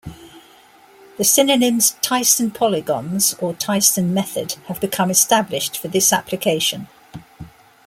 The synonyms Thiessen polygons or Thiessen method have become established for this application.